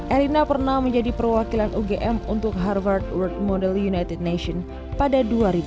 erina pernah menjadi perwakilan ugm untuk harvard world model united nations pada dua ribu dua